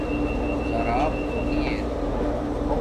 زراپ نی ار